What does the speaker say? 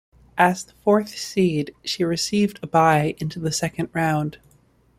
As the fourth seed, she received a bye into the second round.